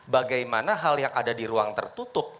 bagaimana hal yang ada di ruang tertutup